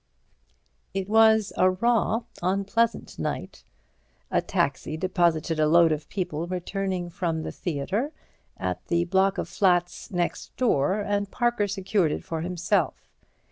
It was a raw, unpleasant night. A taxi deposited a load of people returning from the theatre at the block of flats next door, and Parker secured it for himself.